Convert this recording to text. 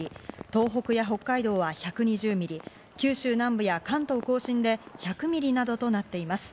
東北や北海道は１２０ミリ、九州南部や関東甲信で１００ミリなどとなっています。